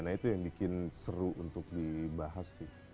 nah itu yang bikin seru untuk dibahas sih